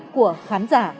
của khán giả